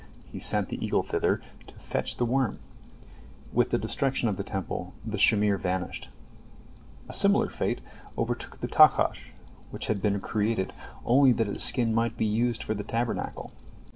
He sent the eagle thither to fetch the worm. With the destruction of the Temple the shamir vanished. A similar fate overtook the tahash, which had been created only that its skin might be used for the Tabernacle.